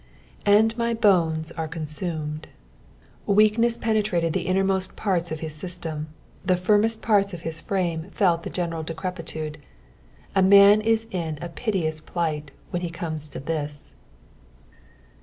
" And my hone» are cotuumed." Weakness peaetratod the innermost parts of his system, the firmest parts of his frame felt the jgeneral decrepitude. A man ia in a [dteous plight when .he comes .to .this.